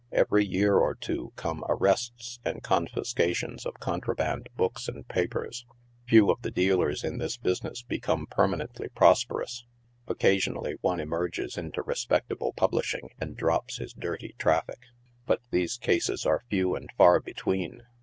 Every year or two come arrests and confiscations of contraband books and papers. Few of the dealers in this business become per manently prosperous ; occasionally one emerges into respectable publishing and drops his dirty traffic. But these cases are few and far between.